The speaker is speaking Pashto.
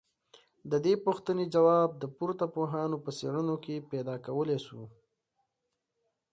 ددې پوښتني ځواب د پورته پوهانو په څېړنو کي پيدا کولای سو